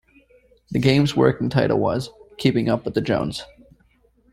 The game's working title was "Keeping Up with Jones".